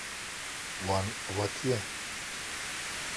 Wan avêtiye.